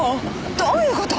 どういう事？